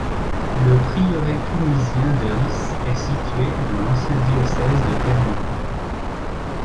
Le prieuré clunisien de Ris est situé dans l'ancien diocèse de Clermont.